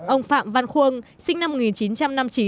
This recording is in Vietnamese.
ông phạm văn khuôn sinh năm một nghìn chín trăm năm mươi chín